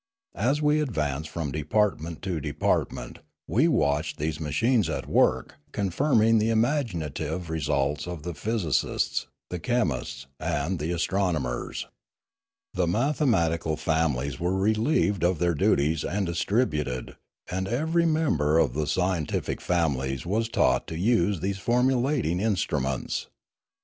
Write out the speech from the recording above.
As we ad vanced from department to department we watched these machines at work confirming the imaginative re sults of the physicists, the chemists, and the astronom ers. The mathematical families were relieved of their duties and distributed, and every member of the scien tific families was taught to use all these formulating instruments.